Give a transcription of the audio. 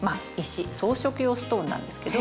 装飾用ストーンなんですけど。